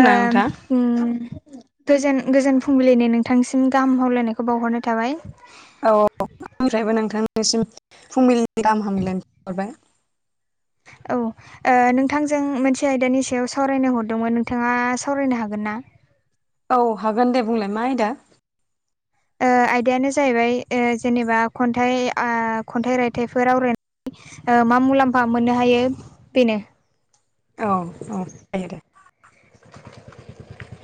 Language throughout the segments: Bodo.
ओम उम गोजोन गोजोन फुंबिलिनि नोंथांनिसिम गाहाम हामलायनायखौ बावहरनाय थाबाय। औ आंनिफ्रायबो नोंथांनिसिम फुंबिलिनि गाहाम हामलायनाय हरबाय। औ ओ [inaudible] नोंथांजों मोनसे आयदानि सायाव सावरायनो हरदोंमोन नोंथाङा सावरायनो हागोन ना? औ हागोन दे बुंलाय मा आयदा? ओ आयदायानो जाहैबाय ओ जेनेबा ओ खन्थाइ खन्थाइ रायथाइफोर आवरायनाय मा मुलाम्फा मोननो हायो बेनो। औ औ जायो दे। [inaudible]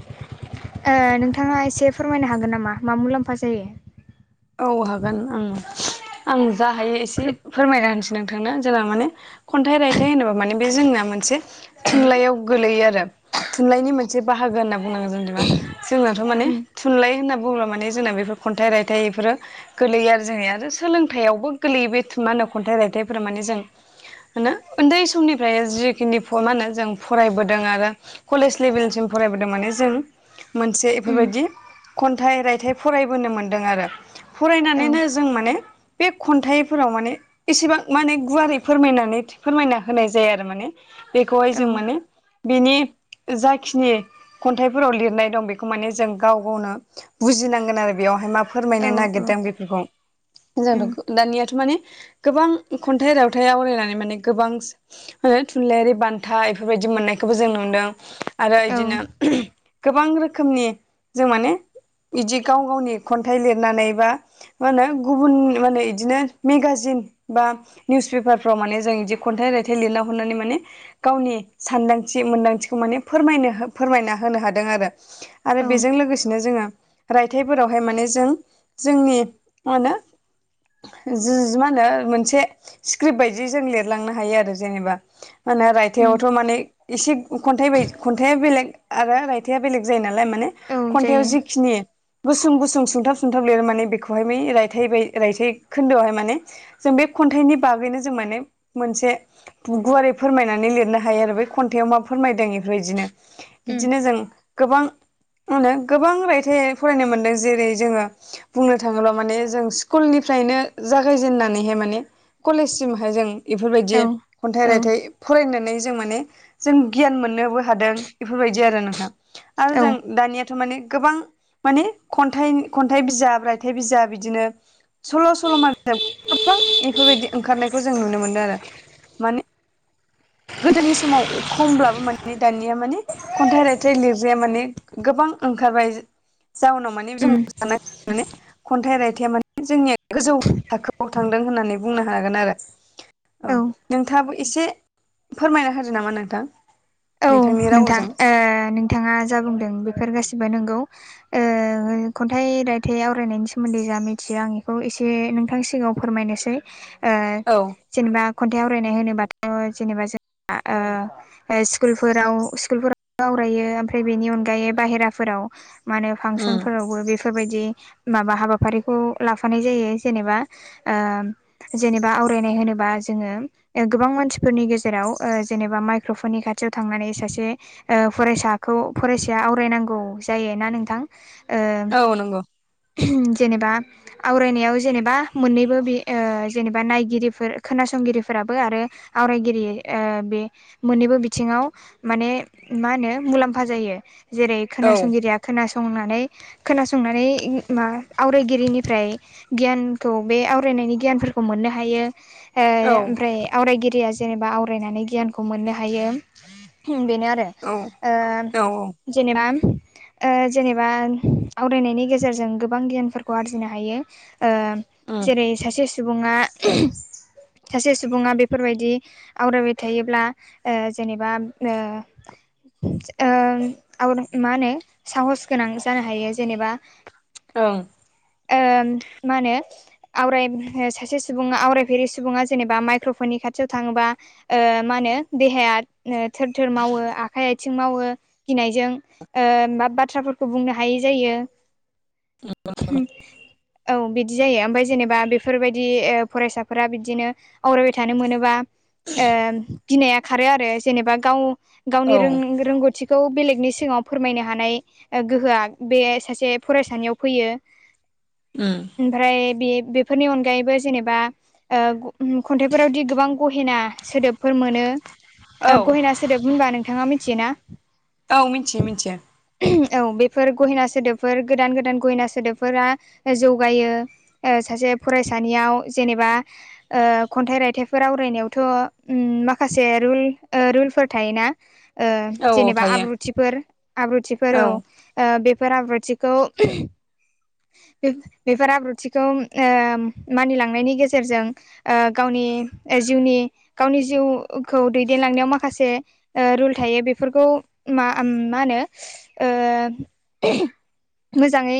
नोंथाङा एसे फोरमायनो हागोन नामा मा मुलाम्फा जायो? औ हागोन ओं आं जा हायो एसे फोर फोरमायना होनसै। नोंथांनो जेला माने खन्थाइ रायथाइ होनोबा माने बे जोंना मोनसे थुनलाइयाव गोलैयो आरो थुनलाइनि मोनसे बाहागो होनना बुंनांगोन जों जेनबा जोंनाथ' माने उम थुनलाइ होनना बुङोब्ला माने जोंना बेफोर खन्थाइ रायथाइ बेफोरो गोलैयो आरो जोंना आरो सोलोंथाइआवबो गोलैयो बेथ मा होनो खन्थाइ रायथाइफोरा माने जों होनो उन्दै समनिफ्राय जिखिनि मा होनो जों फरायबोदों आरो कलेज लेभेलसिम फरायबोदों माने जों मोनसे उम बेफोरबायदि खन्थाइ रायथाइ फरायबोनो मोनदों आरो औ फरायनानैनो जों जों माने बे खन्थाइफोराव माने एसेबां माने गुवारै फोरमायनानै फोरमायना होनाय जाया आरो माने। बेखौहाय औ जों माने बिनि जाखिनि खन्थाइफोराव लिरनाय दं बेखौ माने जों गाव गावनो बुजिनांगोन आरो बेयावहाय मा औ फोरमायनो औ नागिरदों बेफोरखौ। उम जोंथ' दानियाथ' माने गोबां खन्थाइ रावथाइ आवरायनानै माने गोबां आरो थुनलाइयारि बान्था बेफोरबायदि मोननायखौबो जों नुदों आरो औ बिदिनो गोबां रोखोमनि जों माने इदि गाव गावनि खन्थाइ लिरनानै बा मा होनो गुबुन माने बिदिनो मेगाजिन बा निउस पेपारफ्राव माने जों बिदि खन्थाइ रायथाइ लिरना हरनानै माने गावनि सानदांथि मोन्दांथिखौ माने फोरमायनो फोरमायना होनो हादों आरो औ आरो बेजों लोगोसेनो जोङो रायथाइफोराव ओमफाय माने जों जोंनि मा होनो जि जि मा होनो मोनसे स्क्रिप्ट बायदि जों लिरलांनो हायो आरो जेनेबा। मा होनो उम रायथायाइावथ' माने एसे खन्थाइ बाय खन्थाइया बेलेग आरो रायथाइआ बेलेग जायो नालाय माने औ खन्थाइआव जायो जिखिनि गुसुं गुसुं सुंथाब सुंथाब लिरो माने बेखौहाय बै रायथाइ बै रायथाइ खोन्दोआवहाय माने जों बे खन्थाइनि बागैनो जों माने मोनसे गुवारै फोरमायनानै लिरनो हायो आरो बे खन्थाइयाव मा फोरमायदों इफोर इदिनो उम बिदिनो जों गोबां गोबां रायथाइ फरायनो मोनदों जेरै जोङो बुंनो थाङोब्ला माने जों स्कुलनिफ्रायनो जागायजेननानैहाय माने कलेजसिमहाय जों बेफोरबायदि औ खन्थाइ औ रायथाइ फरायनानै जों माने जों गियान मोननोबो हादों बेफोरबायदि आरो नोंथां आरो औ जों दानियाथ' माने गोबां माने खन्थाइ खन्थाइ बिजाब बायथाइ बिजाब बिदिनो सल' सल'मा बे गोबां बेफोरबायदि ओंखारनायखौ जों नुनो मोनदों आरो माने गोदोनि समाव खमब्लाबो माने दानिया माने खन्थाइ रायथाइ लिरग्राया माने गोबां ओंखारबाय जाउनाव माने जों उम सानाखै माने खन्थाइ रायथाइया माने जोंनिया गोजौ थाखोआव थांदों होननानै बुंनो हागोन आरो औ नोंथाङाबो एसे फोरमायना होदो नामा नोंथां औ नोंथांनि नोंथां रावजों नोंथाङा जा बुंदों बेफोर गासिबो नंगौ खन्थाइ रायथाइ आवरायनायनि सोमोन्दै जा मिथियो आं बेखौ एसे नोंथांनि सिगाङाव फोरमायनोसै औ जेनेबा खन्थाइ आवरायनाय होनोबाथ' जेनेबा जोंहा ओ स्कुलफोराव स्कुलफोराव आवरायो ओमफ्राय बेनि अनगायै बाहेराफोराव मा होनो उम फांसनफोरावबो बेफोरबायदि माबा हाबाफारिखौ लाफानाय जायो जेनेबा जेनेबा आवरायनाय होनोबा जोङो। गोबां मानसिफोरनि गेजेराव जेनेबा माइक्र'फननि खाथि याव थांनानै सासे फरायसाखौ फरायसाया आवरायनांगौ जायो ना नोंथां औ नंगौ जेनेबा आवरायनायाव जेनेबा मोननैबो बि जेनेबा नायगिरिफोर खोनासंगिरिफोराबो आरो आवरायगिरि बे मोननैबो बि थिङाव माने मा होनो मुलाम्फा जायो जेरै औ खोनासंगिरिया खोनासंनानै खोनासंनानै मा आवरायगिरिनिफ्राय गियानखौ बे आवरायनायनि गियानफोरखौ मोननो हायो। ओ औ ओमफ्राय आवरायगिरिया जेनेबा आवरायनानै गियानखौ मोननो हायो ओ बेनो आरो औ औ औ जेनेबा जेनेबा आवरायनायनि गेजेरजों गोबां गियानफोरखौ आरजिनो हायो ओ उम जेरै सासे सुबुङा सासे सुबुङा बेफोरबायदि आवरायबाय थायोब्ला ओ जेनेबा ओ मा होनो साहस गोनां जानो हायो जेनेबा ओं ओ मा होनो आराय सासे सुबङा आवरायफेरि सुबुङा जेनेबा माइक्र'फननि खाथियाव थाङोबा मा होनो देहाया थोर थोर मावो आखाइ। आथिं मावो गिनायजों मा बाथ्राफोरखौ बुंनो हायि जायो। अ औ बिदि जायो ओमफफ्राय जेनेबा बेफोरबायदि फरायसाफोरा बिदिनो। आवरायबाय थानो मोनोबा। गिनाया खारो आरो जेनेबा गाव औ गावनि रोंगौथिखौ। बे खौ बेलेगनि सिगाङाव फोरमायनो हानाय गोहोआ बे सासे फरायसानियाव फैयो। [inaudible] ओमफ्राय बे बेफोरनि अनगायैबो जेनेबा खन्थाइफोरावदि गोबां गहेना सोदोबफोर। मोनौ औ गहेना सोदोब होनबा नोंथाङा मिथियोना। औ मिथियो मिथियो औ बेफोर गहिना सोदोबफोर गोदान गोदान गहिना सोदोबफोरा जौगायो। सासे फरायसानियाव जेनेबा। खन्थाइ रायथाइफोर आवरायनायावथ' माखासे रुल। रुलफोर थायोना औ औ जेनेबा थायो आब्रुथिफोर औ आब्रुथिफोराव। बेफोर आब्रुथिखौ बे। बेफोर आब्रुथिखौ मानिलांनायनि गेजेरजों। गावनि जिउनि गावनि जिउखौ दै। देनलांनायाव माखासे रुल थायो बेफोरखौ मा होनो। ओ मोजाङै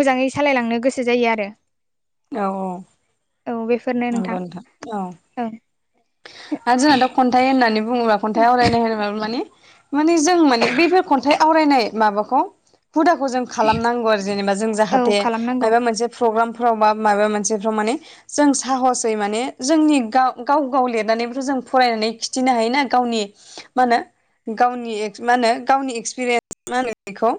मोजाङै सालायलांनो गोसो जायो आरो। औ औ औ बे नंगौथां औ आरो जोंना द। खन्थाइ होननानै बुङोबा खन्थाइ आरायनाय होनोब माने मानि जों मानि बेफोर खन्थाइ आवरायनाय माबाखौ हुदाखौ जों। खालामनांगौ आरो जेनेबा जों औ जाहाथे खालामनांगौ मबा मोनसे। फ्रग्रामाव मा मोनसे माने जों। साहसै माने जोंनि गाव गाव गाव लिरनानैफोर जों फरायनानै खिथिनो हायोना गावनि। मा होनो गावनि मा होनो गावनि एक्सपिरियेन्स मा होनो बेखौ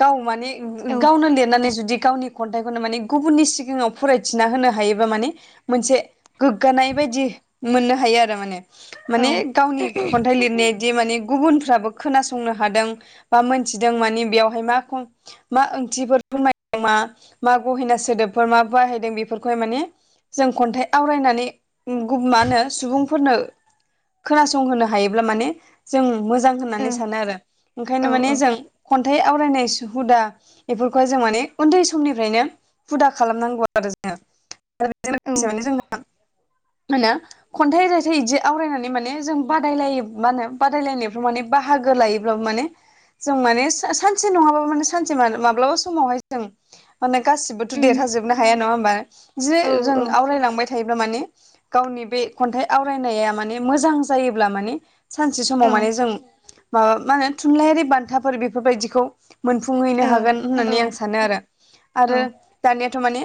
गाव माने औ गावनो लिरनानै जुदि गावनि खन्थाइखौनो माने गुबुननि सिगाङाव फरायथिना होनो हायोबा माने मोनसे गोग्गानाय बायदि मोननो हायो आरो माने औ माने गावनि खन्थाइ लिरनायदि माने गुबुनफ्राबो खोनासंनो हादों बा मोनथिदों मानिे बेयावहाय मा ख मा ओंथिफोर फोरमायदों मा मा गहेना सोदोबफोर मा बाहायदों बेफोरखौहाय माने जों खन्थाइ आवरायनानै मा होनो सुबुंफोरनो खोनासंहोनो हायोब्ला माने जों मोजां औ होननानै सानो आरो औ ओंखायनो औ माने जों खन्थाइ आवरायनाय हुदा बेफोरखौहाय जों माने उन्दै समनिफ्रायनो हुदा खालामनांगौ आरो औ जोङो जों मो खन्थाइ रायथाइ बिदि आवरायनानै माने जों बादायलायो मा होनो बादायलायनायफ्राव माने बाहागो लायोब्लाबो माने जों माने सानसे नङाबाबो माने सानसे माब्लाबा समावहाय जों माने गासिबोथ' उम देरहाजोबनो हाया नङा होमबा औ बिदिनो जों औ आवरायलांबाय थायोब्ला माने गावनि बे खन्थाइ आवरायनाया माने मोजां जायोब्ला माने सानसे समाव औ ओ माने जों माबा मा होनो थुनलाइयारि बान्थाफोर बेफोरबायदिखौ मोनफुंहैनो औ हागोन औ होननानै आं सानो आरो आरो औ दानियाथ' माने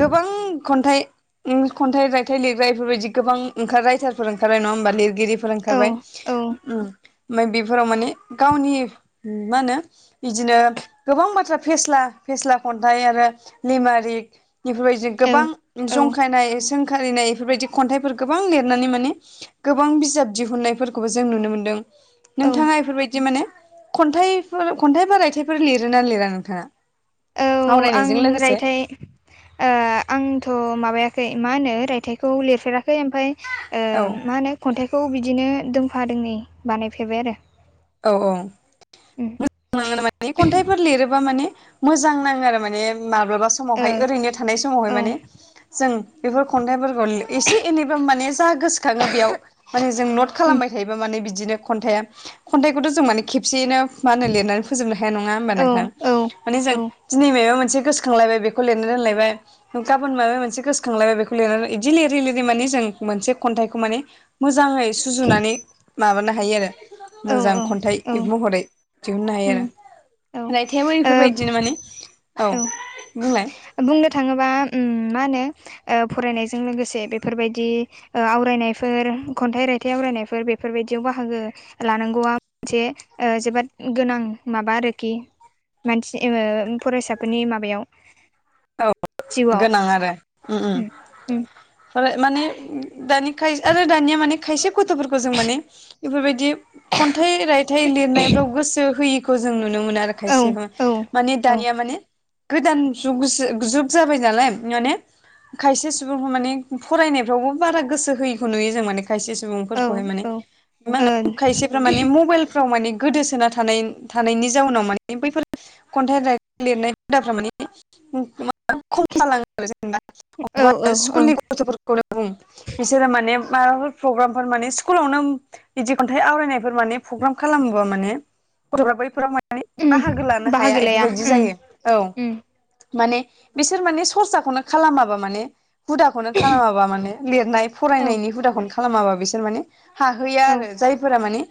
गोबां खन्थाइ खन्थाइ रायथाइ लिरग्रा बेफोरबायदि गोबां ओंखार रायथारफोर ओंखारबाय नङा होमबािर गिरिफोर ओंखारबाय औ ओमफ्राय बेफोराव माने गावनि मा होनो बिदिनो गोबां बाथ्रा फेस्ला फेस्ला खन्थाइ आरो लिमारिक बेफोरबायदि गोबां औ जंखायनाय सोंखारिनाय बेफोरबायदि खन्थाइफोर गोबां लिरनानै माने गोबां बिजाब दिहुननायफोरखौबो जों नुनो मोनदों औ नोंथाङा बेफोरबायदि माने खन्थाइफोर खन्थाइ बा रायथाइफोर लिरोना लिरा नोंथाङा? औ आं आवरायनायजों लोगोसे रायथाइ आंथ' माबायाखै मा होनो रायथाइखौ लिरफेराखै ओमफ्राय औ मा होनो खन्थाइखौ बिदिनो दोंफा दोङै बानायफेरबाय आरो। औ औ। उम मोजां नाङो माने खन्थाइफोर लिरोबा माने मोजां नाङो आरो माने माब्लाबा समावहाय ओरैनो थानाय समावहाय ओ औ माने जों बेफोर खन्थाइफोरखौ एसे एनैब माने जा गोसोखाङो बेयाव माने जों नट उम खालामबाय थायोबा माने बिदिनो खन्थाइआ खन्थाइखौथ' जों माने खेबसेयैनो मा होनो लिरनानै फोजोबनो हाया नङा होनबा औ नोंथां औ माने जों औ दिनै माबा मोनसे गोसोखांलायबाय बेखौ खौ लिरनो रोनलायबाय गाबोन माबा मोनसे गोसोखांलायबाय बेखौ लिरनानै बिदि लिरै लिरै माने जों मोनसे खन्थाइखौ माने मोजाङै सुजुनानै माबानो हायो आरो औ मोजां खन्थाइ औ एब महरै दिहुननो हायो उम आरो औ रायथाइाबो ओ बेफोरबायदिनो माने औ बुंलाय बुंनो थाङोबा मा होनो फरायनायजों लोगोसे बेफोरबायदि आवरायनायफोर खन्थाइ रायथाइ आवरायनायफोर बेफोरबायदियाव बाहागो लानांगौआ मोनसे जोबोद गोनां माबा आरोखि। मानसि फरायसाफोरनि माबायाव औ जिउआव गोनां आरो उम उम माने दानि खाय आरो दानिया माने खायसे गथ'फोरखौ जों माने बेफोरबायदि खन्थाइ रायथाइ लिरनायफ्राव गोसो होयि जों नुनो मोनो आरो औ खायसे औ माने औ दानिया माने गोदान ज जुुब जाबाय नालाय माने खायसे सुबुंफ माने फरायनायफ्रावबो बारा गोसो होयैखौ नुयो जों माने खायसे औ सुबुंफोरखौहाय मान औ मा होन खायसे म मबल फ्राव माने गोदोसोना थानाय थानायनि जाउनाव माने बैफोर खन्थाइ राइद लिरनाय हुदाफ्रा माने मा खम जालाङो आरो जेनेबा ओ अबबा औ औ स्कुलनि गथ'फोरखौनो बुं बिसोरो माने माबाफोर प्रग्रामफोर माने स्कुलावनो बिदि खन्थाइ आवरायनाय माने प्रग्राम खालामोबा माने गथ'फ्रा बैफोराव मे उम बाहागो लानो बाहागो हाया लाया बेफोरबायदि उम जायो औ उम माने बिसोर माने सरसाखौनो खालामाबा माने हुदाखौनो खालामाबा माने लिरनाय औ फरायनायनि हुदाखौन खालामाबा बिसोर माने हाहैया औ आरो जायफोरा माने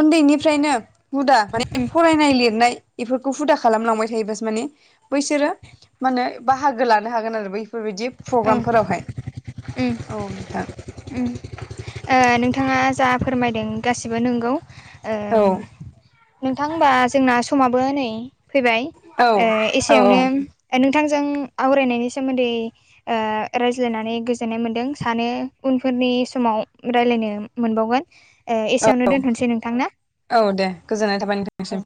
उन्दैनिफ्रायनो हुदा माने उम फरायनाय लिरनाय एफोरखौ हुदा खालामलांबाय थायोबासो माने बैसोरो [inaudible] माने बाहागो लानो हागोन आरो बैफोरबायदि ओं प्रग्रामफोरावहाय उम। औ नोंथां उम ओ नोंथाङा जा फोरमायदों गासिबो नंगौ। ओ औ नोंथां हबा जोंना समाबो नै फैबाय औ ए औ एसेयावनो नोंथांजों आवरायनायनि सोमोन्दै ओ रायज्लायनानै गोजोननाय मोनदों सानो उनफोरनि समाव रायलायनो मोनबावगोन। ए औ एसेयावनो दोनथसै नोंथां ना दे गोजोननाय थाबाय नोंथांनिसिम औ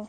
औ।